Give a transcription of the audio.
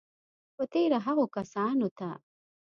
په تېره هغو کسانو ته